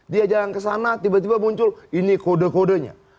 dia jalan kesana tiba tiba muncul ini kode kodenya